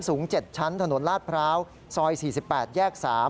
สูง๗ชั้นถนนลาดพร้าวซอย๔๘แยก๓